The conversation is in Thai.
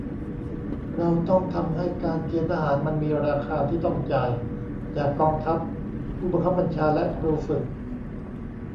เราต้องทำให้การเกณฑ์ทหารมันมี 'ราคา' ที่ต้องจ่าย จากกองทัพ ผู้บังคับบัญชาและครูฝึก